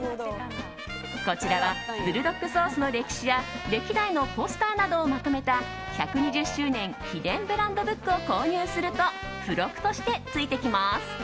こちらはブルドックソースの歴史や歴代のポスターなどをまとめた１２０周年記念ブランドブックを購入すると付録としてついてきます。